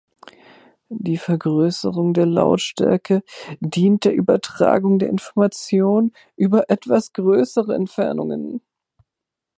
Die Vergrößerung der Lautstärke dient der Übertragung der Information über etwas größere Entfernungen.